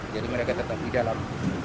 jadi mereka tetap di dalam